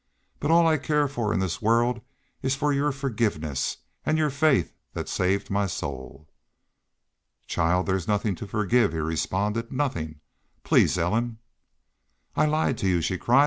But all I care for in this world is for your forgiveness and your faith that saved my soul!" "Child, there's nothin' to forgive," he responded. "Nothin'... Please, Ellen..." "I lied to y'u!" she cried.